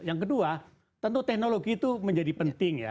yang kedua tentu teknologi itu menjadi penting ya